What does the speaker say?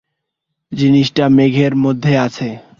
জিনিসটা মেঘের মধ্যে আছে।